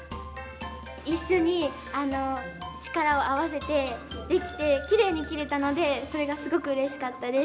一緒に力を合わせてできてきれいに切れたのでそれがすごくうれしかったです。